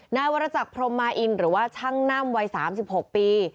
นายวรจักรพรมมาอินหรือว่าช่างน่ำวัย๓๖ปี